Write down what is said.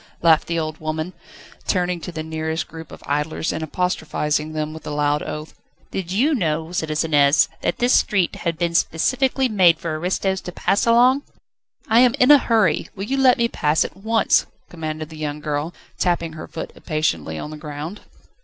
laughed the old woman, turning to the nearest group of idlers, and apostrophising them with a loud oath. "Did you know, citizeness, that this street had been specially made for aristos to pass along?" "I am in a hurry, will you let me pass at once?" commanded the young girl, tapping her foot impatiently on the ground.